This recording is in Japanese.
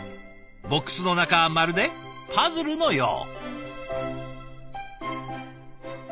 ＢＯＸの中はまるでパズルのよう。